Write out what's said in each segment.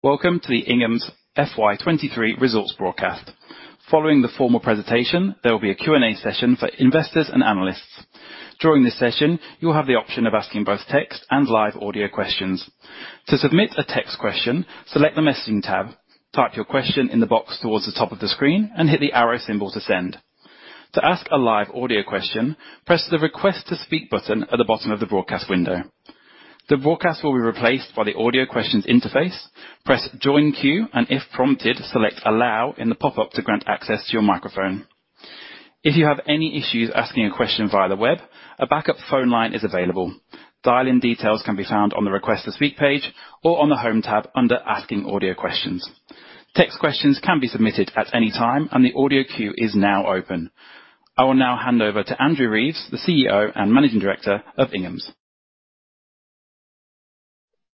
Welcome to the Inghams FY 2023 results broadcast. Following the formal presentation, there will be a Q&A session for investors and analysts. During this session, you'll have the option of asking both text and live audio questions. To submit a text question, select the Messaging tab, type your question in the box towards the top of the screen, and hit the arrow symbol to send. To ask a live audio question, press the Request to Speak button at the bottom of the broadcast window. The broadcast will be replaced by the audio questions interface. Press Join Queue, and if prompted, select Allow in the pop-up to grant access to your microphone. If you have any issues asking a question via the web, a backup phone line is available. Dial-in details can be found on the Request to Speak page or on the Home tab under Asking Audio Questions. Text questions can be submitted at any time, and the audio queue is now open. I will now hand over to Andrew Reeves, the CEO and Managing Director of Inghams.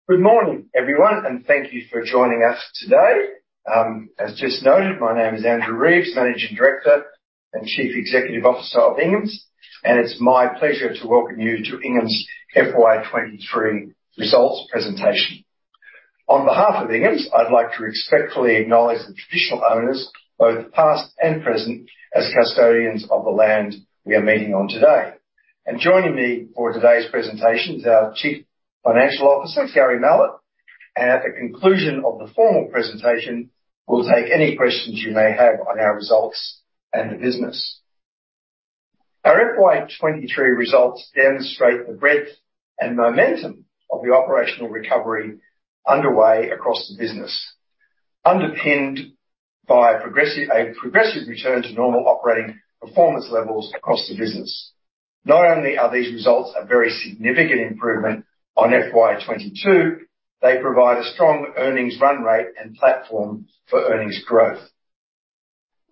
Good morning, everyone, thank you for joining us today. As just noted, my name is Andrew Reeves, Managing Director and Chief Executive Officer of Inghams, it's my pleasure to welcome you to Ingham's FY 2023 results presentation. On behalf of Inghams, I'd like to respectfully acknowledge the traditional owners, both past and present, as custodians of the land we are meeting on today. Joining me for today's presentation is our Chief Financial Officer, Gary Mallett, at the conclusion of the formal presentation, we'll take any questions you may have on our results and the business. Our FY 2023 results demonstrate the breadth and momentum of the operational recovery underway across the business, underpinned by a progressive return to normal operating performance levels across the business. Not only are these results a very significant improvement on FY 2022, they provide a strong earnings run rate and platform for earnings growth.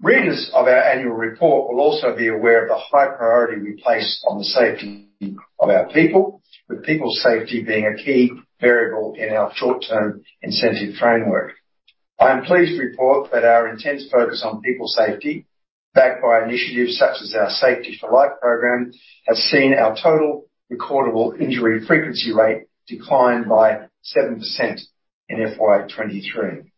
Readers of our annual report will also be aware of the high priority we place on the safety of our people, with people safety being a key variable in our short-term incentive framework. I am pleased to report that our intense focus on people safety, backed by initiatives such as our Safety for Life program, has seen our Total Recordable Injury Frequency Rate decline by 7% in FY 2023.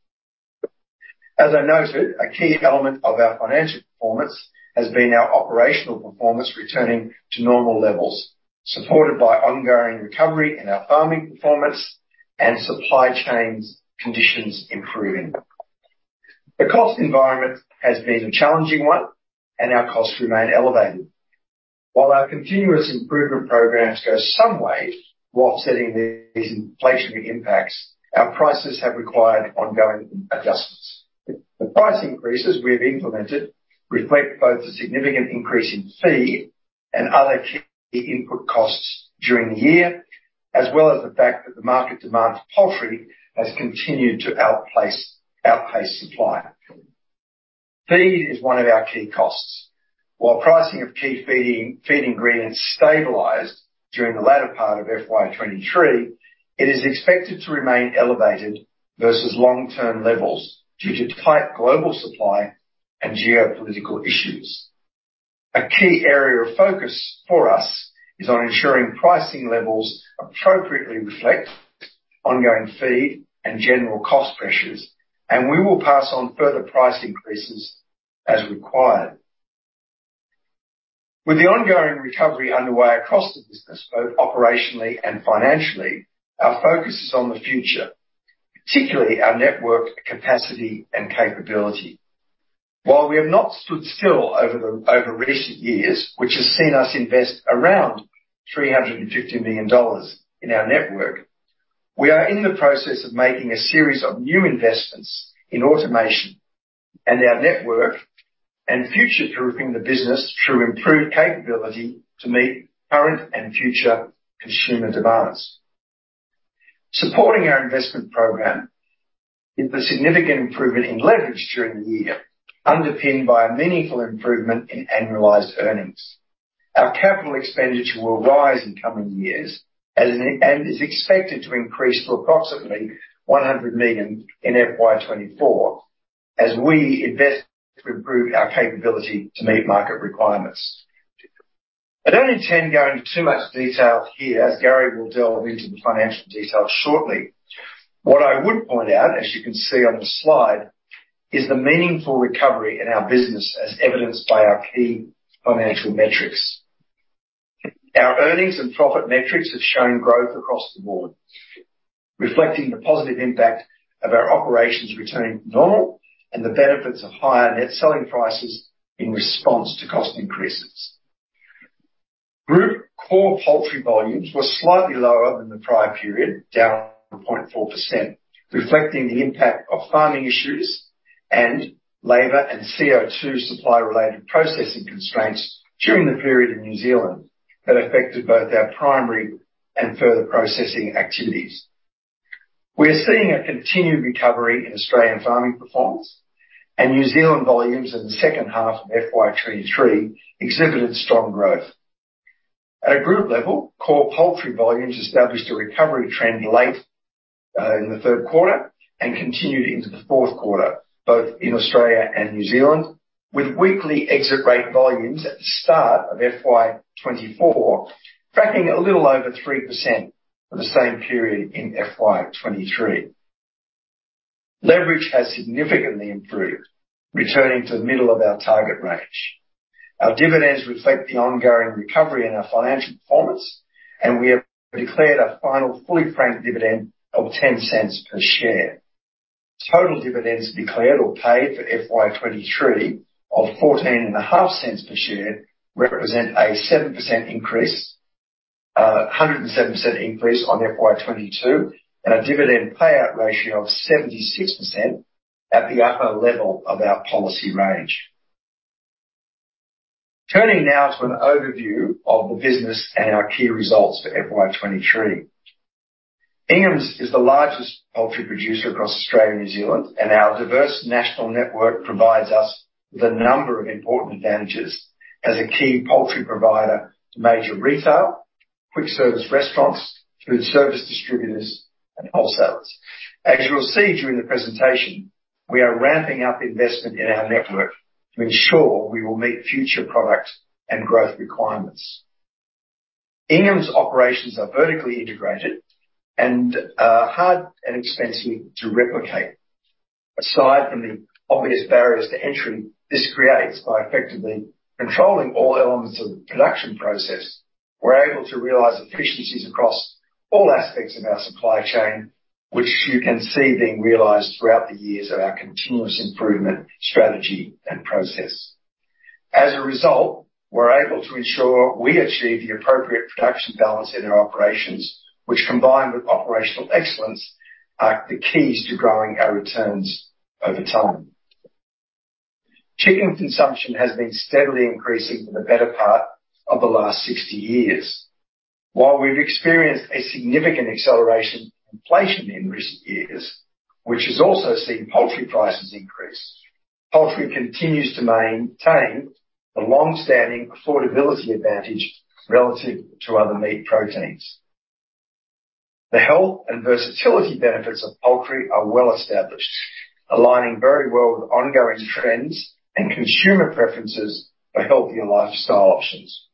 As I noted, a key element of our financial performance has been our operational performance, returning to normal levels, supported by ongoing recovery in our farming performance and supply chains conditions improving. The cost environment has been a challenging one, our costs remain elevated. While our continuous improvement programs go some way while setting these inflationary impacts, our prices have required ongoing adjustments. The price increases we have implemented reflect both the significant increase in feed and other key input costs during the year, as well as the fact that the market demand for poultry has continued to outpace supply. Feed is one of our key costs. While pricing of key feeding, feed ingredients stabilized during the latter part of FY 2023, it is expected to remain elevated versus long-term levels due to tight global supply and geopolitical issues. A key area of focus for us is on ensuring pricing levels appropriately reflect ongoing feed and general cost pressures. We will pass on further price increases as required. With the ongoing recovery underway across the business, both operationally and financially, our focus is on the future, particularly our network capacity and capability. While we have not stood still over recent years, which has seen us invest around 350 million dollars in our network, we are in the process of making a series of new investments in automation and our network and future-proofing the business through improved capability to meet current and future consumer demands. Supporting our investment program is the significant improvement in leverage during the year, underpinned by a meaningful improvement in annualized earnings. Our capital expenditures will rise in coming years and is expected to increase to approximately 100 million in FY 2024 as we invest to improve our capability to meet market requirements. I don't intend going into too much detail here, as Gary will delve into the financial details shortly. What I would point out, as you can see on the slide, is the meaningful recovery in our business as evidenced by our key financial metrics. Our earnings and profit metrics have shown growth across the board, reflecting the positive impact of our operations returning to normal and the benefits of higher net selling prices in response to cost increases. Group core poultry volumes were slightly lower than the prior period, down 0.4%, reflecting the impact of farming issues and labor and CO2 supply-related processing constraints during the period in New Zealand that affected both our primary and further processing activities. We are seeing a continued recovery in Australian farming performance, New Zealand volumes in the second half of FY 2023 exhibited strong growth. At a group level, core poultry volumes established a recovery trend late in the third quarter and continued into the fourth quarter, both in Australia and New Zealand. With weekly exit rate volumes at the start of FY 2024 tracking a little over 3% for the same period in FY 2023. Leverage has significantly improved, returning to the middle of our target range. Our dividends reflect the ongoing recovery in our financial performance, and we have declared a final fully franked dividend of 0.10 per share. Total dividends declared or paid for FY 2023 of 0.145 per share represent a 7% increase, a 107% increase on FY 2022, and a dividend payout ratio of 76% at the upper level of our policy range. Turning now to an overview of the business and our key results for FY 2023. Inghams is the largest poultry producer across Australia and New Zealand, our diverse national network provides us with a number of important advantages as a key poultry provider to major retail, quick-service restaurants, food service distributors, and wholesalers. As you will see during the presentation, we are ramping up investment in our network to ensure we will meet future product and growth requirements. Inghams' operations are vertically integrated, hard and expensive to replicate. Aside from the obvious barriers to entry, this creates by effectively controlling all elements of the production process, we're able to realize efficiencies across all aspects of our supply chain, which you can see being realized throughout the years of our continuous improvement, strategy, and process. As a result, we're able to ensure we achieve the appropriate production balance in our operations, which, combined with operational excellence, are the keys to growing our returns over time. Chicken consumption has been steadily increasing for the better part of the last 60 years. While we've experienced a significant acceleration in inflation in recent years, which has also seen poultry prices increase, poultry continues to maintain a long-standing affordability advantage relative to other meat proteins. The health and versatility benefits of poultry are well established, aligning very well with ongoing trends and consumer preferences for healthier lifestyle options.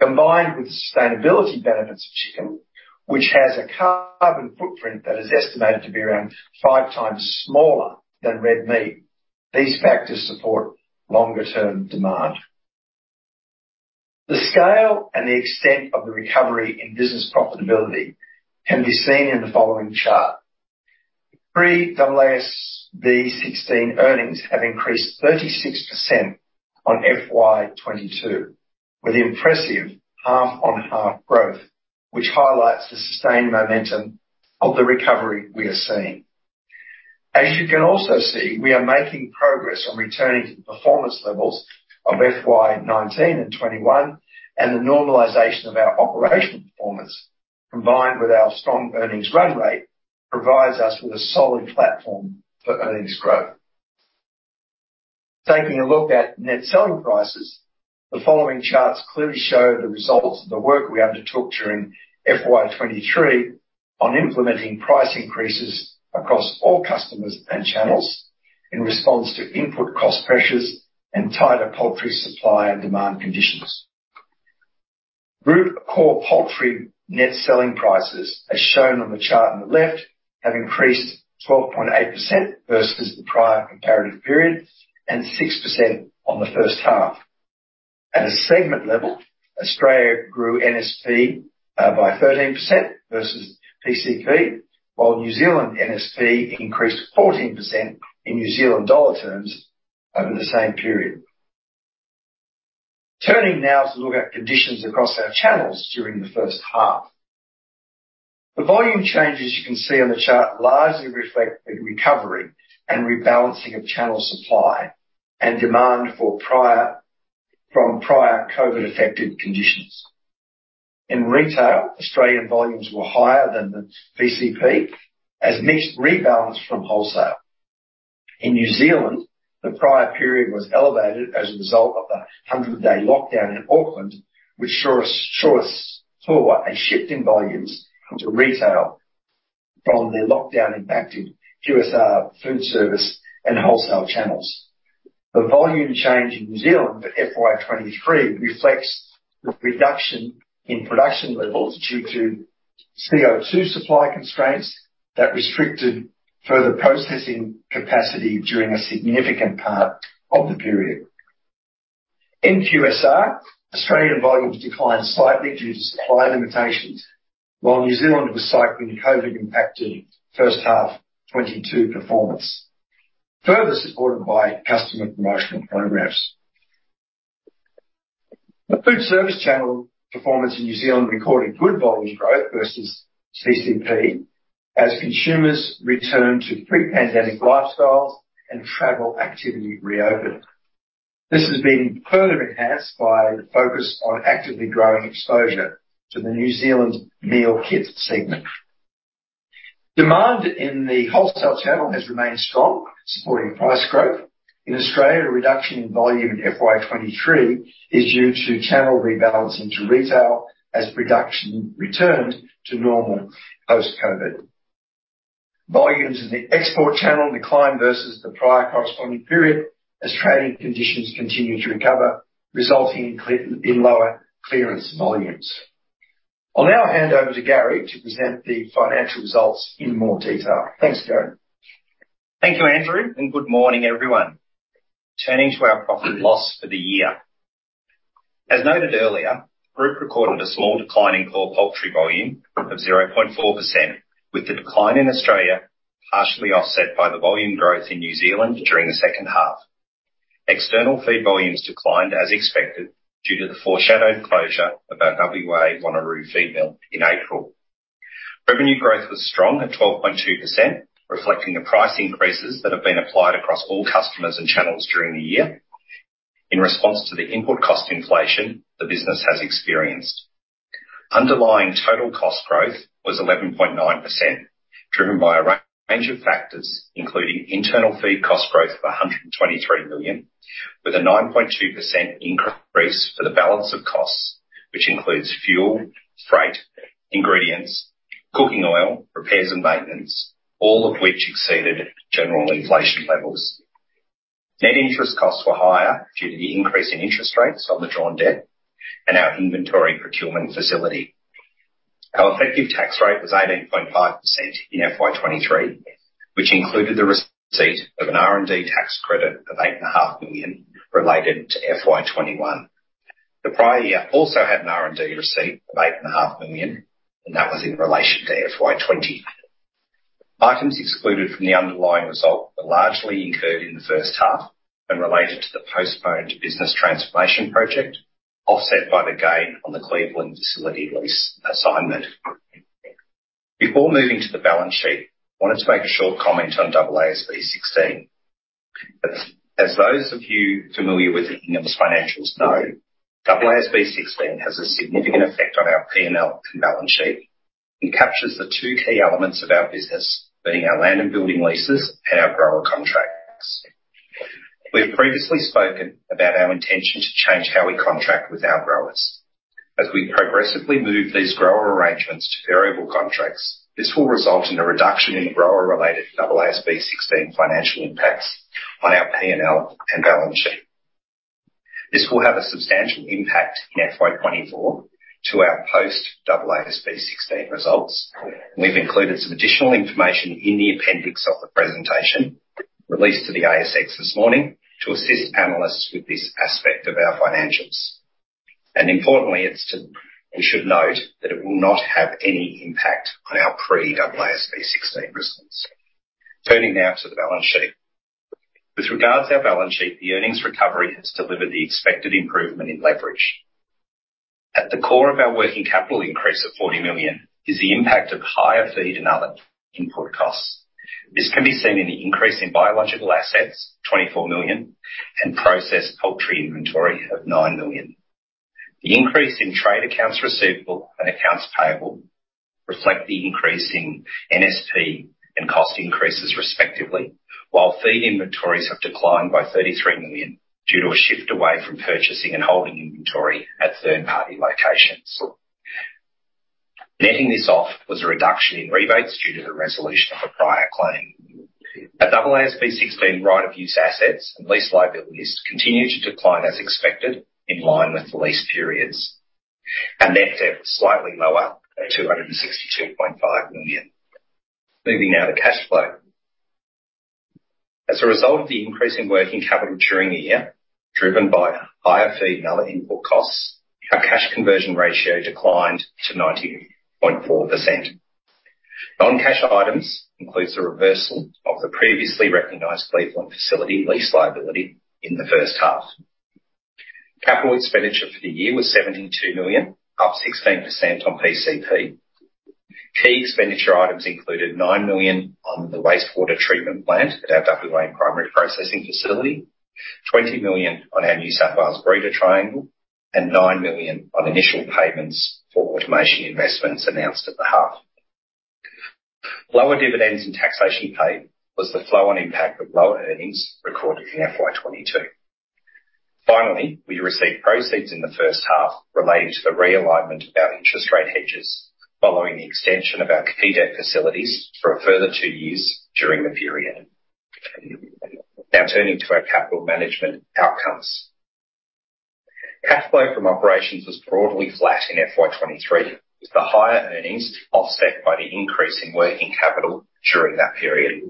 Combined with the sustainability benefits of chicken, which has a carbon footprint that is estimated to be around five times smaller than red meat, these factors support longer-term demand. The scale and the extent of the recovery in business profitability can be seen in the following chart. Pre-AASB 16 earnings have increased 36% on FY 2022, with impressive half-on-half growth, which highlights the sustained momentum of the recovery we are seeing. As you can also see, we are making progress on returning to the performance levels of FY 2019 and FY 2021. The normalization of our operational performance, combined with our strong earnings run rate, provides us with a solid platform for earnings growth. Taking a look at net selling prices, the following charts clearly show the results of the work we undertook during FY 2023 on implementing price increases across all customers and channels in response to input cost pressures and tighter poultry supply and demand conditions. Group core poultry net selling prices, as shown on the chart on the left, have increased 12.8% versus the prior comparative period and 6% on the first half. At a segment level, Australia grew NSP, by 13% versus PCP, while New Zealand NSP increased 14% in NZD terms over the same period. Turning now to look at conditions across our channels during the first half. The volume changes you can see on the chart largely reflect a recovery and rebalancing of channel supply and demand for prior-- from prior COVID-affected conditions. In retail, Australian volumes were higher than the PCP as mixed rebalance from wholesale. In New Zealand, the prior period was elevated as a result of the 100-day lockdown in Auckland, which saw a shift in volumes to retail from the lockdown-impacted QSR, food service, and wholesale channels. The volume change in New Zealand for FY 2023 reflects the reduction in production levels due to CO2 supply constraints that restricted further processing capacity during a significant part of the period. In QSR, Australian volumes declined slightly due to supply limitations, while New Zealand was cycling the COVID-impacted first half 2022 performance, further supported by customer promotional programs. The food service channel performance in New Zealand recorded good volume growth versus PCP as consumers returned to pre-pandemic lifestyles and travel activity reopened. This has been further enhanced by the focus on actively growing exposure to the New Zealand meal kit segment. Demand in the wholesale channel has remained strong, supporting price growth. In Australia, a reduction in volume in FY 2023 is due to channel rebalancing to retail as production returned to normal post-COVID.... Volumes in the export channel declined versus the prior corresponding period, as trading conditions continued to recover, resulting in lower clearance volumes. I'll now hand over to Gary to present the financial results in more detail. Thanks, Gary. Thank you, Andrew. Good morning, everyone. Turning to our profit and loss for the year. As noted earlier, the group recorded a small decline in core poultry volume of 0.4%, with the decline in Australia partially offset by the volume growth in New Zealand during the second half. External feed volumes declined as expected, due to the foreshadowed closure of our WA Wanneroo Feedmill in April. Revenue growth was strong at 12.2%, reflecting the price increases that have been applied across all customers and channels during the year in response to the input cost inflation the business has experienced. Underlying total cost growth was 11.9%, driven by a range of factors, including internal feed cost growth of 123 million, with a 9.2% increase for the balance of costs, which includes fuel, freight, ingredients, cooking oil, repairs and maintenance, all of which exceeded general inflation levels. Net interest costs were higher due to the increase in interest rates on the drawn debt and our inventory procurement facility. Our effective tax rate was 18.5% in FY 2023, which included the receipt of an R&D tax credit of 8.5 million related to FY 2021. The prior year also had an R&D receipt of 8.5 million, and that was in relation to FY 2020. Items excluded from the underlying result were largely incurred in the first half and related to the postponed business transformation project, offset by the gain on the Cleveland facility lease assignment. Before moving to the balance sheet, I wanted to make a short comment on AASB 16. As those of you familiar with the Inghams financials know, AASB 16 has a significant effect on our P&L and balance sheet, and captures the two key elements of our business, being our land and building leases and our grower contracts. We've previously spoken about our intention to change how we contract with our growers. As we progressively move these grower arrangements to variable contracts, this will result in a reduction in grower-related AASB 16 financial impacts on our P&L and balance sheet. This will have a substantial impact in FY 2024 to our post AASB 16 results. We've included some additional information in the appendix of the presentation, released to the ASX this morning, to assist analysts with this aspect of our financials. Importantly, we should note that it will not have any impact on our pre-AASB 16 results. Turning now to the balance sheet. With regards to our balance sheet, the earnings recovery has delivered the expected improvement in leverage. At the core of our working capital increase of 40 million, is the impact of higher feed and other input costs. This can be seen in the increase in biological assets, 24 million, and processed poultry inventory of 9 million. The increase in trade accounts receivable and accounts payable reflect the increase in NSP and cost increases, respectively, while feed inventories have declined by 33 million due to a shift away from purchasing and holding inventory at third-party locations. Netting this off was a reduction in rebates due to the resolution of a prior claim. Our AASB 16 right-of-use assets and lease liabilities continued to decline as expected, in line with the lease periods. Our net debt was slightly lower at 262.5 million. Moving now to cash flow. As a result of the increase in working capital during the year, driven by higher feed and other input costs, our Cash Conversion Ratio declined to 90.4%. Non-cash items includes the reversal of the previously recognized Cleveland facility lease liability in the first half. Capital expenditure for the year was AUD 72 million, up 16% on PCP. Key expenditure items included AUD 9 million on the wastewater treatment plant at our Duck Creek Primary Processing Facility, AUD 20 million on our New South Wales breeder triangle, and AUD 9 million on initial payments for automation investments announced at the half. Lower dividends and taxation paid was the flow-on impact of lower earnings recorded in FY 2022. We received proceeds in the first half related to the realignment of our interest rate hedges, following the extension of our key debt facilities for a further two years during the period. Turning to our capital management outcomes. Cash flow from operations was broadly flat in FY 2023, with the higher earnings offset by the increase in working capital during that period.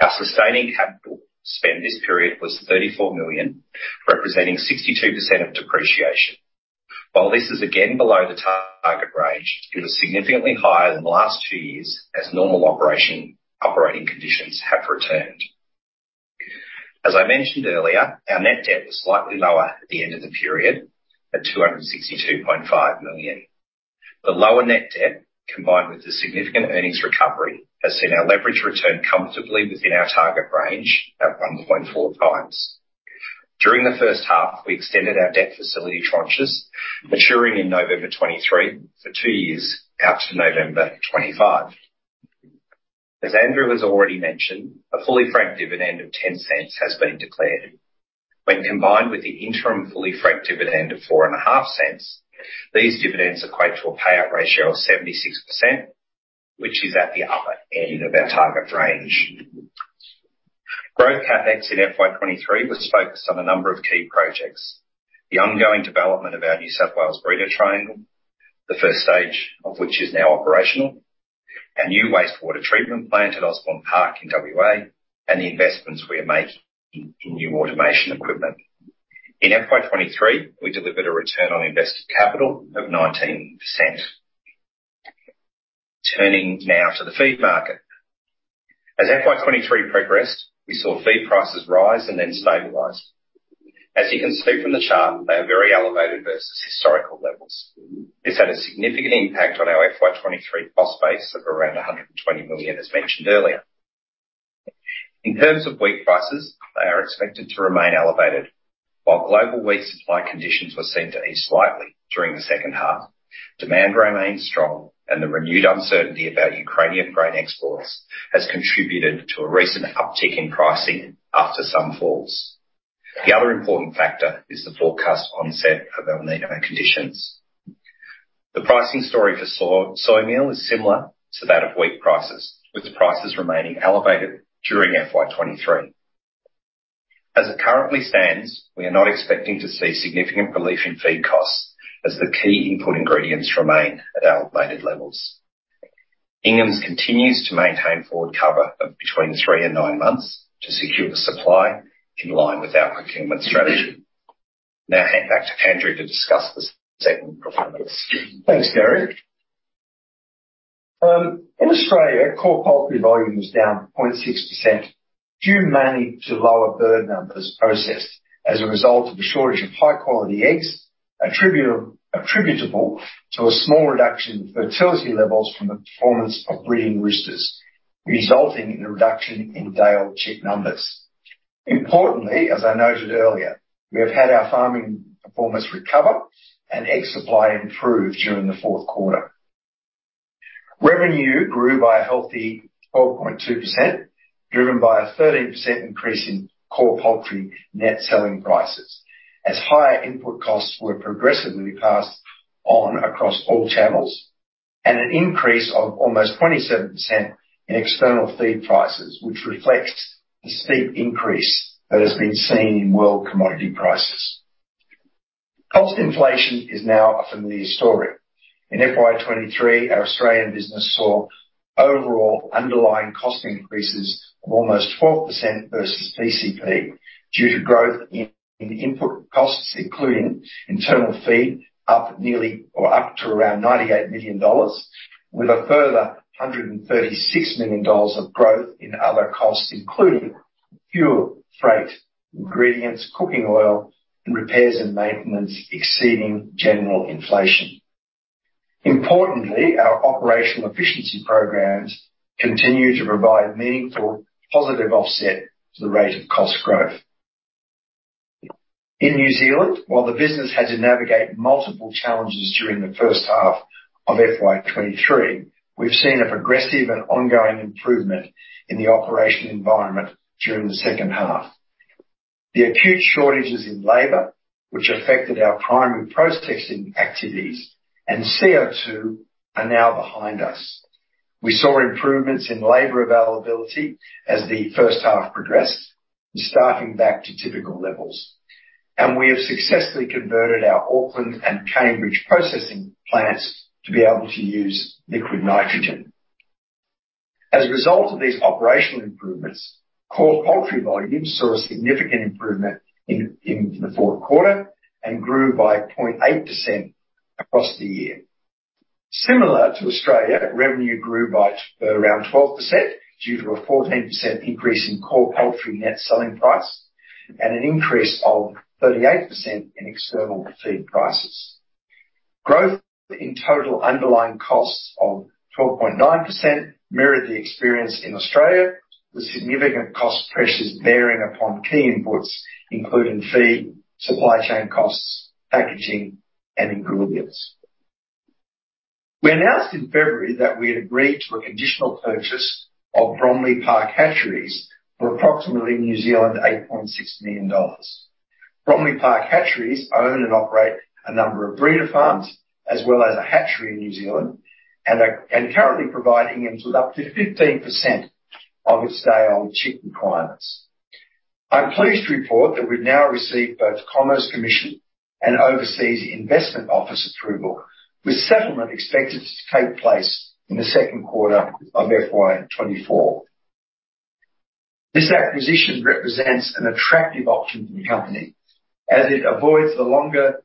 Our sustaining capital spend this period was 34 million, representing 62% of depreciation. While this is again below the target range, it was significantly higher than the last two years as normal operating conditions have returned. As I mentioned earlier, our net debt was slightly lower at the end of the period, at 262.5 million. The lower net debt, combined with the significant earnings recovery, has seen our leverage return comfortably within our target range at 1.4x. During the first half, we extended our debt facility tranches, maturing in November 2023 for two years out to November 2025. As Andrew has already mentioned, a fully franked dividend of 0.10 has been declared. When combined with the interim fully franked dividend of 0.045, these dividends equate to a payout ratio of 76%, which is at the upper end of our target range. Growth CapEx in FY 2023 was focused on a number of key projects: the ongoing development of our New South Wales breeder triangle, the first stage of which is now operational, our new wastewater treatment plant at Osborne Park in WA, and the investments we are making in new automation equipment. In FY 2023, we delivered a Return on Invested Capital of 19%. Turning now to the feed market. As FY 2023 progressed, we saw feed prices rise and then stabilize. As you can see from the chart, they are very elevated versus historical levels. This had a significant impact on our FY 2023 cost base of around 120 million, as mentioned earlier. In terms of wheat prices, they are expected to remain elevated. While global wheat supply conditions were seen to ease slightly during the second half, demand remains strong, and the renewed uncertainty about Ukrainian grain exports has contributed to a recent uptick in pricing after some falls. The other important factor is the forecast onset of El Niño conditions. The pricing story for soy, soy meal is similar to that of wheat prices, with prices remaining elevated during FY 2023. As it currently stands, we are not expecting to see significant relief in feed costs as the key input ingredients remain at elevated levels. Inghams continues to maintain forward cover of between three and nine months to secure the supply in line with our procurement strategy. Now back to Andrew to discuss the segment performance. Thanks, Gary. In Australia, core poultry volume was down 0.6%, due mainly to lower bird numbers processed as a result of a shortage of high-quality eggs, attributable to a small reduction in fertility levels from the performance of breeding roosters, resulting in a reduction in day-old chick numbers. Importantly, as I noted earlier, we have had our farming performance recover and egg supply improve during the fourth quarter. Revenue grew by a healthy 12.2%, driven by a 13% increase in core poultry net selling prices, as higher input costs were progressively passed on across all channels, and an increase of almost 27% in external feed prices, which reflects the steep increase that has been seen in world commodity prices. Cost inflation is now a familiar story. In FY 2023, our Australian business saw overall underlying cost increases of almost 12% versus PCP, due to growth in input costs, including internal feed, up nearly or up to around 98 million dollars, with a further 136 million dollars of growth in other costs, including fuel, freight, ingredients, cooking oil, and repairs and maintenance exceeding general inflation. Importantly, our operational efficiency programs continue to provide meaningful, positive offset to the rate of cost growth. In New Zealand, while the business had to navigate multiple challenges during the first half of FY 2023, we've seen a progressive and ongoing improvement in the operation environment during the second half. The acute shortages in labor, which affected our primary processing activities and CO2, are now behind us. We saw improvements in labor availability as the first half progressed, starting back to typical levels. We have successfully converted our Auckland and Cambridge processing plants to be able to use liquid nitrogen. As a result of these operational improvements, core poultry volumes saw a significant improvement in the fourth quarter and grew by 0.8% across the year. Similar to Australia, revenue grew by 12% due to a 14% increase in core poultry net selling price and an increase of 38% in external feed prices. Growth in total underlying costs of 12.9% mirrored the experience in Australia, with significant cost pressures bearing upon key inputs including feed, supply chain costs, packaging, and ingredients. We announced in February that we had agreed to a conditional purchase of Bromley Park Hatcheries for approximately 8.6 million New Zealand dollars. Bromley Park Hatcheries own and operate a number of breeder farms as well as a hatchery in New Zealand and currently provide Inghams with up to 15% of its day-old chick requirements. I'm pleased to report that we've now received both Commerce Commission and Overseas Investment Office approval, with settlement expected to take place in the second quarter of FY 2024. This acquisition represents an attractive option for the company as it avoids the longer,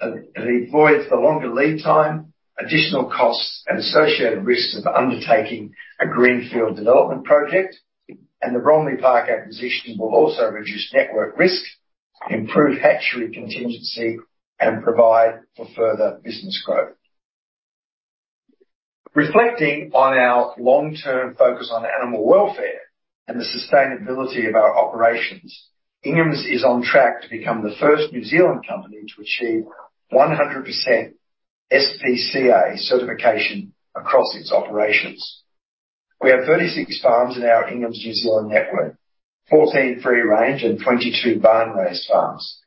it avoids the longer lead time, additional costs, and associated risks of undertaking a greenfield development project. The Bromley Park acquisition will also reduce network risk, improve hatchery contingency, and provide for further business growth. Reflecting on our long-term focus on animal welfare and the sustainability of our operations, Inghams is on track to become the first New Zealand company to achieve 100% SPCA certification across its operations. We have 36 farms in our Inghams New Zealand network, 14 free-range and 22 barn-raised farms.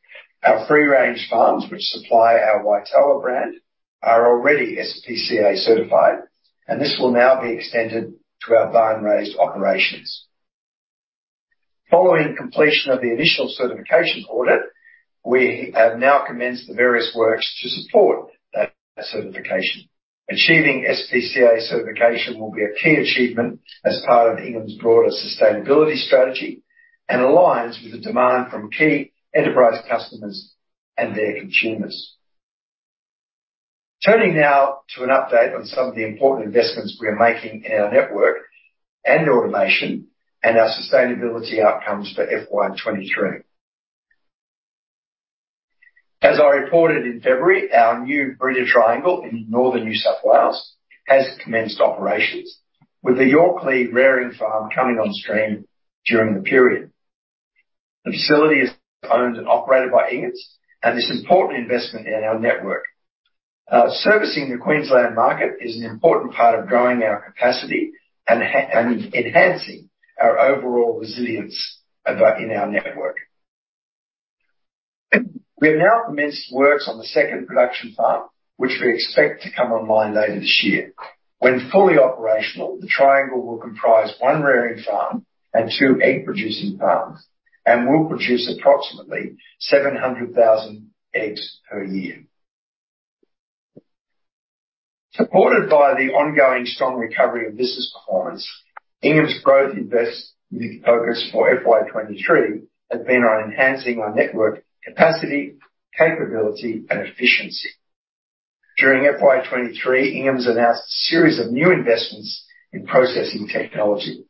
Our free-range farms, which supply our Waitoa brand, are already SPCA certified, and this will now be extended to our barn-raised operations. Following completion of the initial certification audit, we have now commenced the various works to support that certification. Achieving SPCA certification will be a key achievement as part of Inghams broader sustainability strategy and aligns with the demand from key enterprise customers and their consumers. Turning now to an update on some of the important investments we are making in our network and automation and our sustainability outcomes for FY 2023. As I reported in February, our new breeder triangle in northern New South Wales has commenced operations, with the Yorklea rearing farm coming on stream during the period. The facility is owned and operated by Inghams, and it's an important investment in our network. Servicing the Queensland market is an important part of growing our capacity and enhancing our overall resilience in our network. We have now commenced works on the second production farm, which we expect to come online later this year. When fully operational, the triangle will comprise one rearing farm and two egg-producing farms and will produce approximately 700,000 eggs per year. Supported by the ongoing strong recovery of business performance, Inghams growth invest focus for FY 2023 has been on enhancing our network capacity, capability, and efficiency. During FY 2023, Inghams announced a series of new investments in processing technology.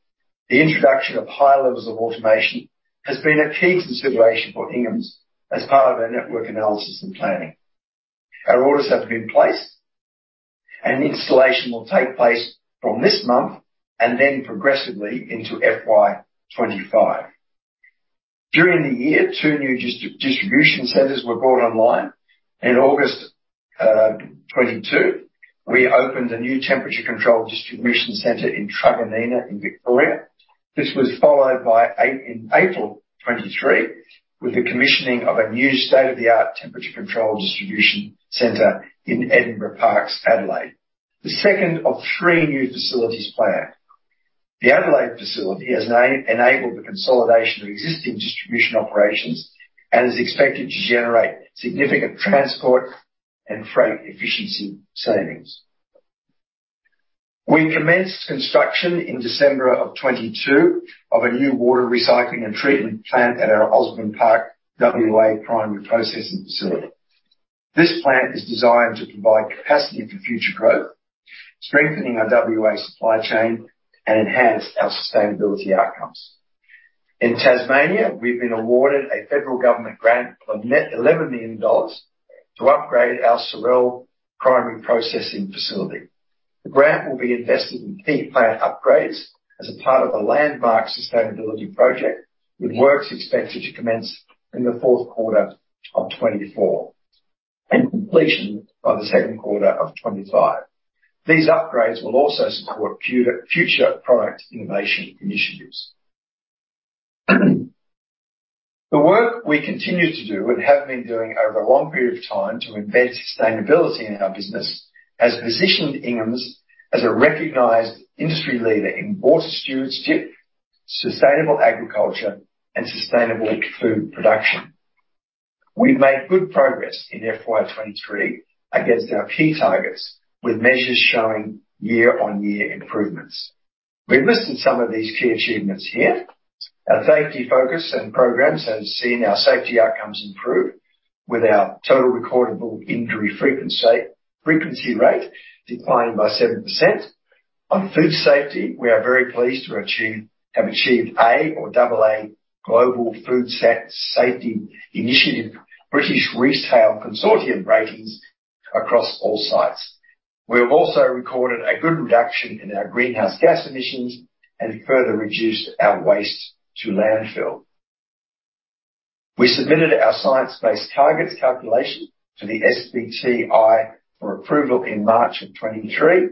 The introduction of high levels of automation has been a key consideration for Inghams as part of our network analysis and planning. Our orders have been placed, and installation will take place from this month and then progressively into FY 2025. During the year, two new distribution centers were brought online. In August 2022, we opened a new temperature-controlled distribution center in Traralgon in Victoria. This was followed by in April 2023, with the commissioning of a new state-of-the-art temperature-controlled distribution center in Edinburgh Parks, Adelaide, the second of three new facilities planned. The Adelaide facility has enabled the consolidation of existing distribution operations and is expected to generate significant transport and freight efficiency savings. We commenced construction in December 2022 of a new water recycling and treatment plant at our Osborne Park, WA primary processing facility. This plant is designed to provide capacity for future growth, strengthening our WA supply chain, and enhance our sustainability outcomes. In Tasmania, we've been awarded a federal government grant of net 11 million dollars to upgrade our Sorell primary processing facility. The grant will be invested in key plant upgrades as a part of a landmark sustainability project, with works expected to commence in the fourth quarter of 2024 and completion by the second quarter of 2025. These upgrades will also support future product innovation initiatives. The work we continue to do, and have been doing over a long period of time, to embed sustainability in our business, has positioned Ingham's as a recognized industry leader in forest stewardship, sustainable agriculture, and sustainable food production. We've made good progress in FY 2023 against our key targets, with measures showing year-on-year improvements. We've listed some of these key achievements here. Our safety focus and programs have seen our safety outcomes improve, with our Total Recordable Injury Frequency Rate declining by 7%. On food safety, we are very pleased to have achieved A or double A Global Food Safety Initiative, British Retail Consortium ratings across all sites. We have also recorded a good reduction in our greenhouse gas emissions and further reduced our waste to landfill. We submitted our science-based targets calculation to the SBTi for approval in March of 2023,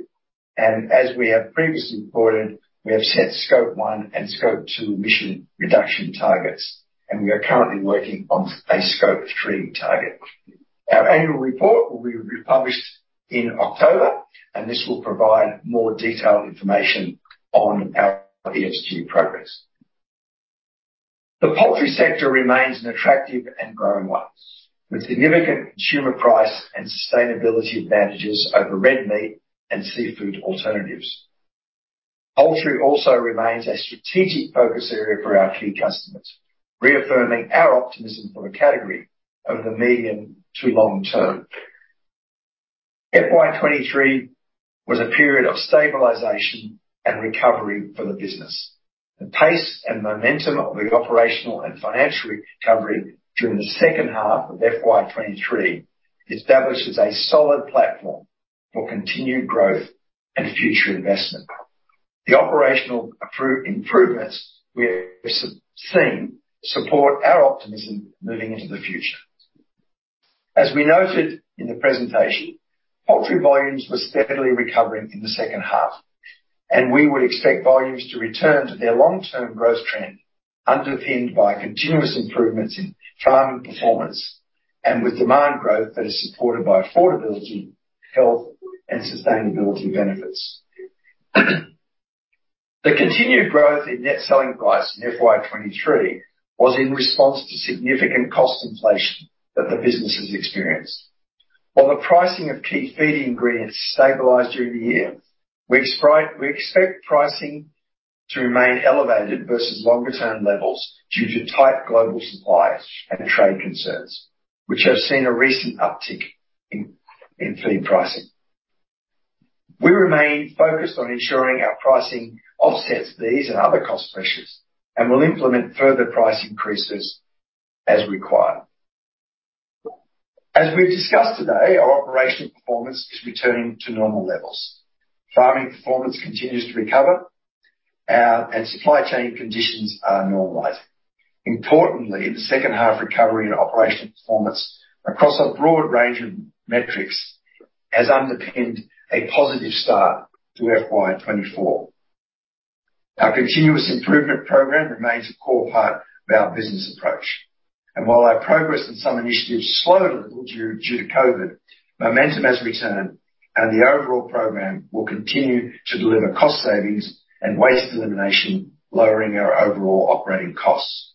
as we have previously reported, we have set Scope 1 and Scope 2 emission reduction targets, and we are currently working on a Scope 3 target. Our annual report will be published in October, this will provide more detailed information on our ESG progress. The poultry sector remains an attractive and growing one, with significant consumer price and sustainability advantages over red meat and seafood alternatives. Poultry also remains a strategic focus area for our key customers, reaffirming our optimism for the category over the medium to long term. FY 2023 was a period of stabilization and recovery for the business. The pace and momentum of the operational and financial recovery during the second half of FY 2023 establishes a solid platform for continued growth and future investment. The operational improvements we have seen support our optimism moving into the future. As we noted in the presentation, poultry volumes were steadily recovering in the second half, we would expect volumes to return to their long-term growth trend, underpinned by continuous improvements in farming performance and with demand growth that is supported by affordability, health, and sustainability benefits. The continued growth in net selling price in FY 2023 was in response to significant cost inflation that the business has experienced. While the pricing of key feed ingredients stabilized during the year, we expect pricing to remain elevated versus longer-term levels due to tight global suppliers and trade concerns, which have seen a recent uptick in feed pricing. We remain focused on ensuring our pricing offsets these and other cost pressures, and we'll implement further price increases as required. As we've discussed today, our operational performance is returning to normal levels. Farming performance continues to recover and supply chain conditions are normalized. Importantly, the second half recovery and operational performance across a broad range of metrics has underpinned a positive start to FY 2024. Our continuous improvement program remains a core part of our business approach, and while our progress in some initiatives slowed a little due to COVID, momentum has returned, and the overall program will continue to deliver cost savings and waste elimination, lowering our overall operating costs.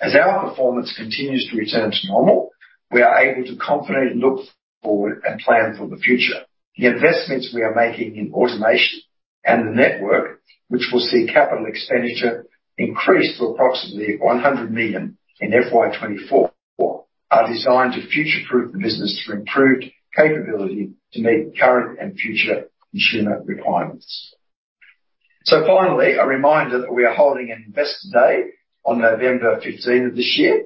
As our performance continues to return to normal, we are able to confidently look forward and plan for the future. The investments we are making in automation and the network, which will see capital expenditure increase to approximately 100 million in FY 2024, are designed to future-proof the business for improved capability to meet current and future consumer requirements. Finally, a reminder that we are holding an Investor Day on November 15 of this year.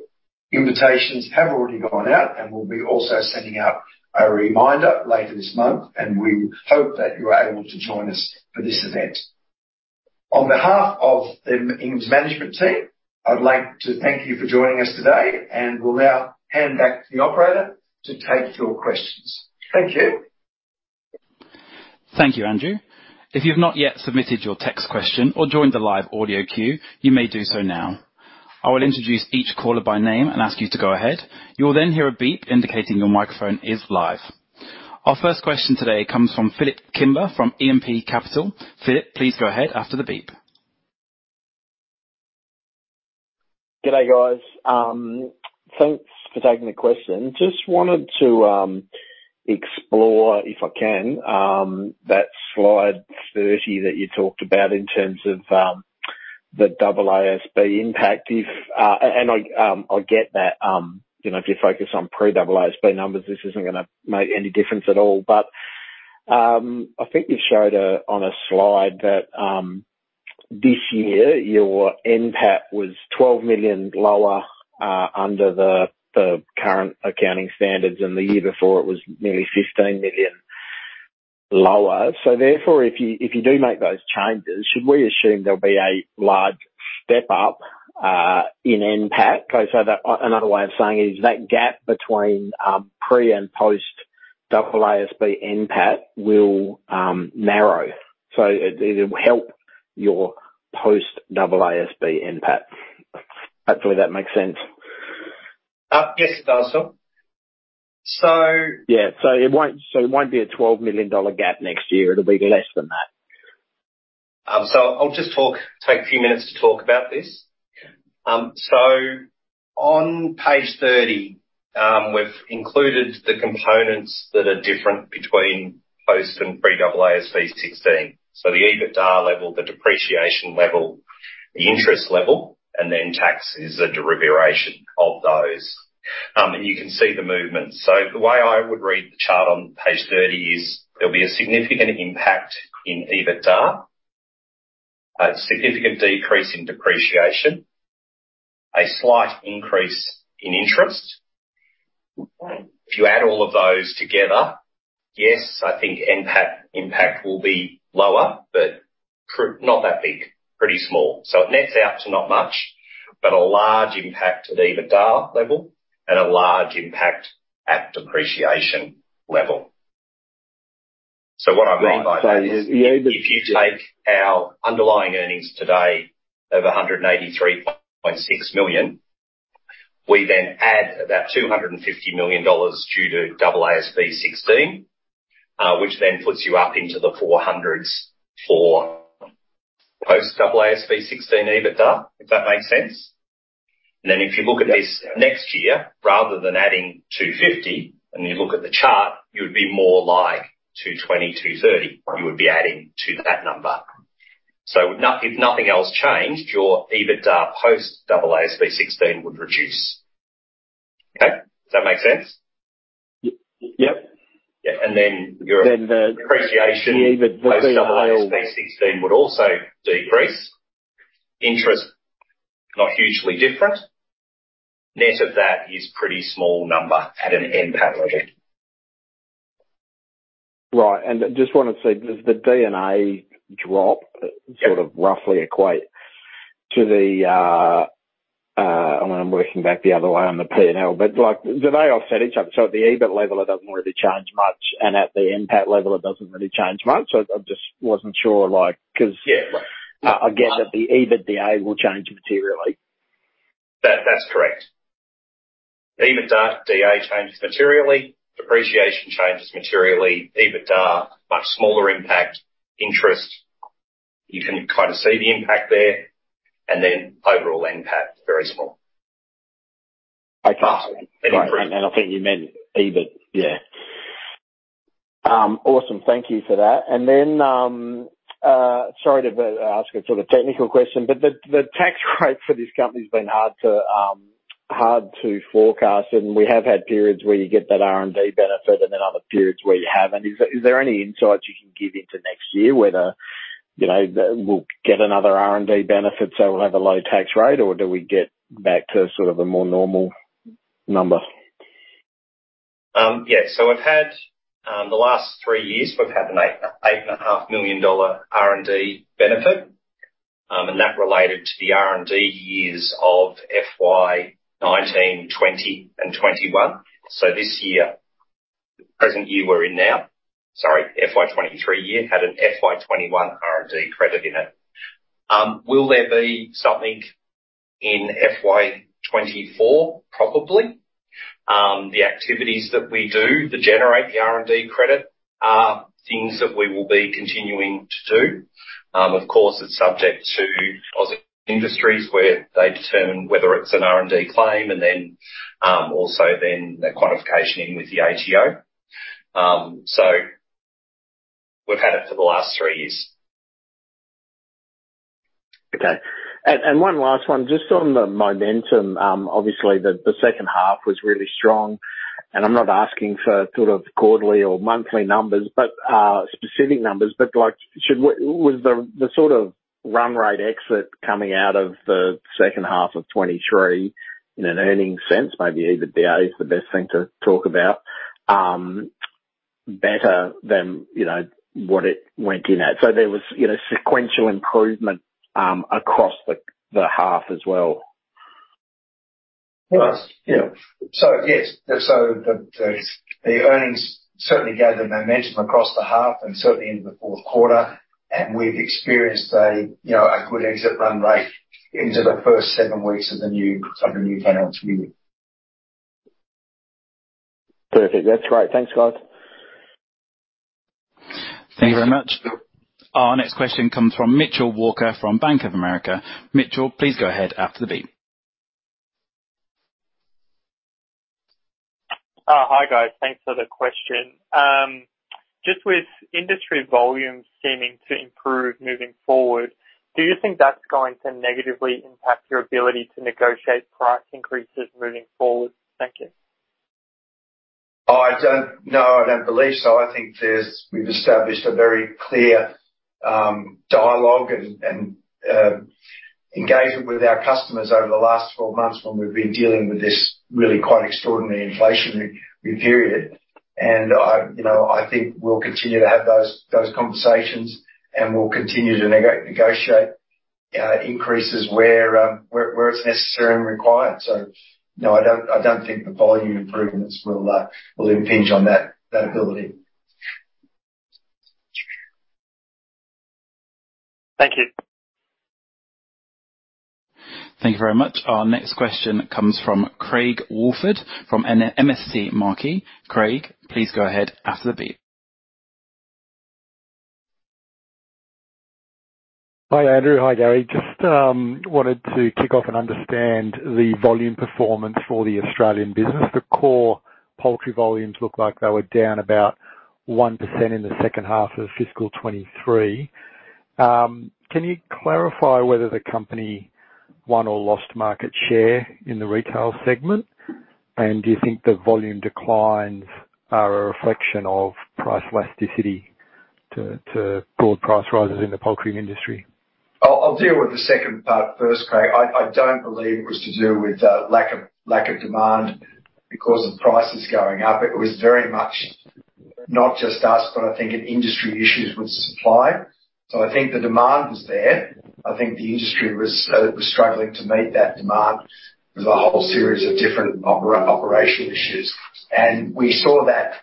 Invitations have already gone out, and we'll be also sending out a reminder later this month, and we hope that you are able to join us for this event. On behalf of the Inghams management team, I'd like to thank you for joining us today, and will now hand back to the operator to take your questions. Thank you. Thank you, Andrew. If you've not yet submitted your text question or joined the live audio queue, you may do so now. I will introduce each caller by name and ask you to go ahead. You will then hear a beep indicating your microphone is live. Our first question today comes from Phillip Kimber, from E&P Capital. Phillip, please go ahead after the beep. Good day, guys. Thanks for taking the question. Just wanted to explore, if I can, that Slide 30 that you talked about in terms of the AASB impact. If I get that, you know, if you focus on pre-AASB numbers, this isn't gonna make any difference at all. I think you showed on a slide that this year, your NPAT was 12 million lower under the current accounting standards, and the year before, it was nearly 15 million lower. Therefore, if you, if you do make those changes, should we assume there'll be a large step up in NPAT? That, another way of saying is, that gap between pre and post AASB NPAT will narrow, so it, it'll help your post AASB NPAT. Hopefully, that makes sense. Yes, it does. Yeah. It won't be a 12 million dollar gap next year. It'll be less than that. I'll just take a few minutes to talk about this. On Page 30, we've included the components that are different between post and pre-AASB 16. The EBITDA level, the depreciation level, the interest level, and then tax is a derivation of those. You can see the movement. The way I would read the chart on Page 30 is: there'll be a significant impact in EBITDA, a significant decrease in depreciation, a slight increase in interest. If you add all of those together, yes, I think NPAT impact will be lower, not that big, pretty small. It nets out to not much, but a large impact at EBITDA level and a large impact at depreciation level. What I mean by that- Yeah. If you take our underlying earnings today of 183.6 million, we then add about 250 million dollars due to AASB 16, which then puts you up into the 400s for post AASB 16 EBITDA, if that makes sense? Then if you look at this next year, rather than adding 250, and you look at the chart, you would be more like 220, 230. You would be adding to that number. If nothing else changed, your EBITDA post AASB 16 would reduce. Okay, does that make sense? Yep. Yeah, and then your- Then the- Depreciation- Yeah. Post AASB 16 would also decrease. Interest, not hugely different. Net of that is pretty small number at an NPAT level. Right, I just wanted to see, does the DA drop sort of roughly equate to the, I mean, I'm working back the other way on the P&L, but, like, do they offset each other? At the EBIT level, it doesn't really change much, and at the NPAT level, it doesn't really change much. I, I just wasn't sure, like, 'cause... Yeah. I, I get that the EBITDA will change materially. That, that's correct. EBITDA changes materially, depreciation changes materially. EBITA, much smaller impact. Interest, you can kind of see the impact there, then overall NPAT, very small. Okay. Interest. I think you meant EBIT. Yeah. Awesome. Thank you for that. Then, sorry to ask a sort of technical question, but the tax rate for this company's been hard to hard to forecast, and we have had periods where you get that R&D benefit and then other periods where you haven't. Is, is there any insight you can give into next year whether, you know, we'll get another R&D benefit, so we'll have a low tax rate, or do we get back to sort of a more normal number? Yeah. We've had the last three years, we've had an 8 million-8.5 million dollar R&D benefit, and that related to the R&D years of FY 2019, FY 2020, and FY 2021. This year, the present year we're in now, sorry, FY 2023 year, had an FY 2021 R&D credit in it. Will there be something in FY 2024? Probably. The activities that we do that generate the R&D credit are things that we will be continuing to do. Of course, it's subject to AusIndustry, where they determine whether it's an R&D claim, and then also then the quantification in with the ATO. We've had it for the last three years. Okay. One last one, just on the momentum. Obviously, the second half was really strong, and I'm not asking for sort of quarterly or monthly numbers, but specific numbers, but, like, should was the sort of run rate exit coming out of the second half of 2023 in an earnings sense, maybe EBITDA is the best thing to talk about, better than, you know, what it went in at? There was, you know, sequential improvement across the half as well. Yes. Yeah. Yes, the earnings certainly gathered momentum across the half and certainly into the fourth quarter. We've experienced a, you know, a good exit run rate into the first seven weeks of the new financial year. Perfect. That's great. Thanks, guys. Thank you very much. Our next question comes from Mitchell Hawker, from Bank of America. Mitchell, please go ahead after the beep. Hi, guys. Thanks for the question. Just with industry volumes seeming to improve moving forward, do you think that's going to negatively impact your ability to negotiate price increases moving forward? Thank you. I don't. No, I don't believe so. I think there's, we've established a very clear dialogue and engagement with our customers over the last 12 months when we've been dealing with this really quite extraordinary inflationary period. I, you know, I think we'll continue to have those, those conversations, and we'll continue to negotiate increases where, where, where it's necessary and required. No, I don't, I don't think the volume improvements will impinge on that, that ability. Thank you. Thank you very much. Our next question comes from Craig Woolford, from MST Marquee. Craig, please go ahead after the beep. Hi, Andrew. Hi, Gary. Just wanted to kick off and understand the volume performance for the Australian business. The core poultry volumes look like they were down about 1% in the second half of FY 2023. Can you clarify whether the company won or lost market share in the retail segment? Do you think the volume declines are a reflection of price elasticity to, to broad price rises in the poultry industry? I'll, I'll deal with the second part first, Craig. I, I don't believe it was to do with lack of, lack of demand because of prices going up. It was very much not just us, but I think an industry issues with supply. I think the demand was there. I think the industry was struggling to meet that demand. There was a whole series of different operational issues, and we saw that.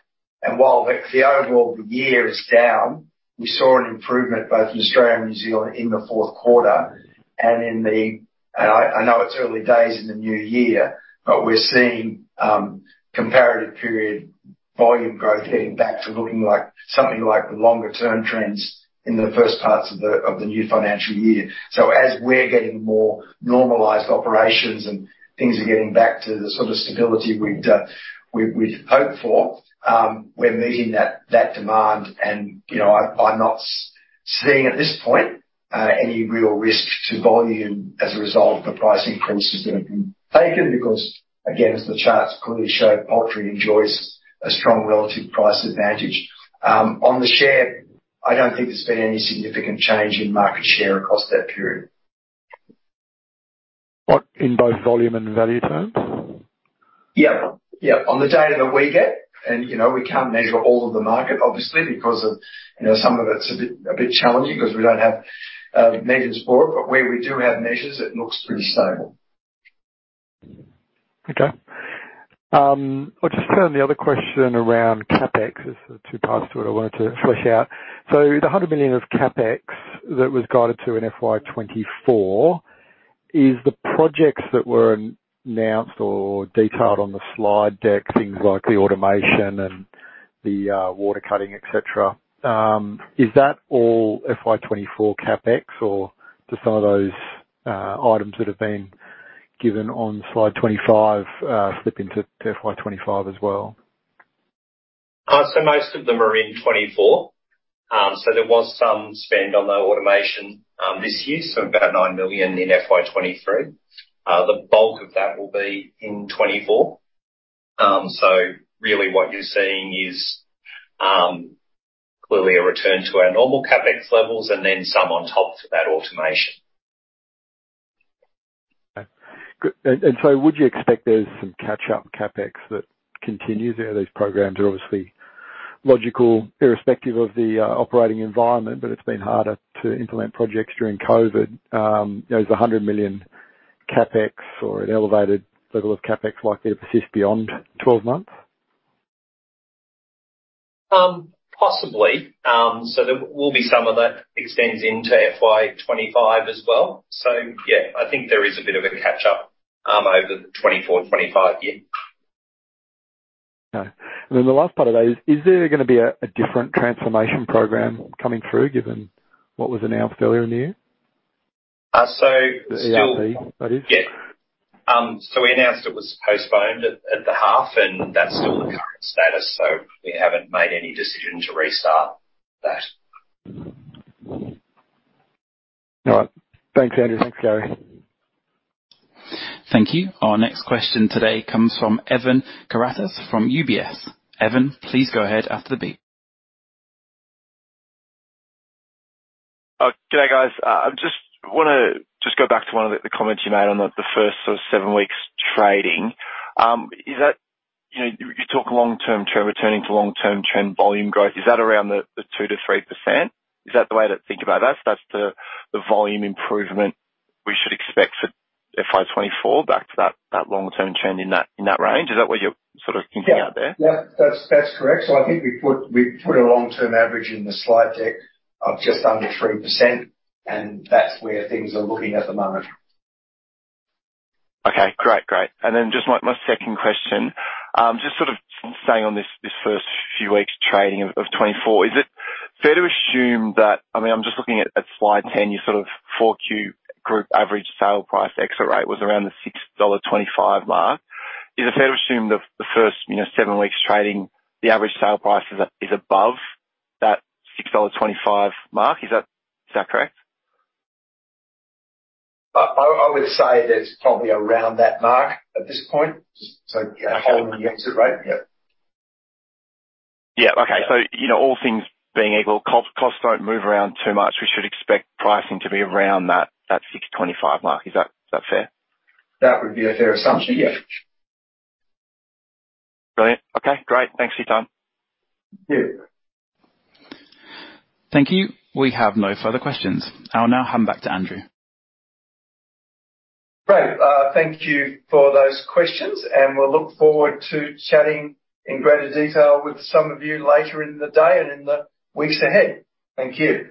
While the overall the year is down, we saw an improvement both in Australia and New Zealand in the fourth quarter. I, I know it's early days in the new year, but we're seeing comparative period volume growth getting back to looking like something like the longer term trends in the first parts of the new financial year. As we're getting more normalized operations and things are getting back to the sort of stability we'd, we'd hoped for, we're meeting that, that demand. You know, I, I'm not seeing at this point any real risk to volume as a result of the price increases that have been taken, because, again, as the charts clearly show, poultry enjoys a strong relative price advantage. On the share, I don't think there's been any significant change in market share across that period. What, in both volume and value terms? Yep, yep, on the data that we get. You know, we can't measure all of the market, obviously, because of, you know, some of it's a bit, a bit challenging because we don't have measures for it. Where we do have measures, it looks pretty stable. Okay. I'll just turn the other question around, CapEx. There's two parts to it I wanted to flush out. The 100 million of CapEx that was guided to in FY 2024, is the projects that were announced or detailed on the slide deck, things like the automation and the water cutting, et cetera, is that all FY 2024 CapEx, or do some of those items that have been given on Slide 25 slip into FY 2025 as well? Most of them are in 2024. There was some spend on the automation, this year, so about 9 million in FY 2023. The bulk of that will be in 2024. Really what you're seeing is, clearly a return to our normal CapEx levels and then some on top for that automation. Okay, good. So would you expect there's some catch-up CapEx that continues there? These programs are obviously logical, irrespective of the operating environment, but it's been harder to implement projects during COVID. You know, is the 100 million CapEx or an elevated level of CapEx likely to persist beyond 12 months? Possibly. There will be some of that extends into FY 2025 as well. Yeah, I think there is a bit of a catch-up over the 2024-2025 year. Okay. Then the last part of that is: Is there gonna be a, a different transformation program coming through, given what was announced earlier in the year? Still- The ERP, that is. Yeah. We announced it was postponed at, at the half, and that's still the current status, so we haven't made any decision to restart that. All right. Thanks, Andrew. Thanks, Gary. Thank you. Our next question today comes from Evan Karatzas from UBS. Evan, please go ahead after the beep. Good day, guys. I just wanna just go back to one of the, the comments you made on the, the first sort of seven weeks trading. You know, you, you talk long-term trend, returning to long-term trend volume growth. Is that around the, the 2%-3%? Is that the way to think about that? That's the, the volume improvement we should expect for FY 2024, back to that, that long-term trend in that, in that range? Is that what you're sort of thinking out there? Yeah, that's, that's correct. I think we put, we put a long-term average in the slide deck of just under 3%, and that's where things are looking at the moment. Okay, great. Great. Then just my, my second question, just sort of staying on this, this first few weeks trading of 2024. Is it fair to assume that, I mean, I'm just looking at Slide 10, your sort of 4Q group average sale price exit rate was around the 6.25 dollar mark? Is it fair to assume the, the first, you know, 7 weeks trading, the average sale price is above that 6.25 dollar mark? Is that correct? I would say that it's probably around that mark at this point, so- Okay. On the exit rate, yep. Yeah, okay. You know, all things being equal, cost, costs don't move around too much. We should expect pricing to be around that, that 6.25 mark. Is that, is that fair? That would be a fair assumption, yeah. Brilliant. Okay, great. Thanks for your time. Yeah. Thank you. We have no further questions. I'll now hand back to Andrew. Great. Thank you for those questions, and we'll look forward to chatting in greater detail with some of you later in the day and in the weeks ahead. Thank you.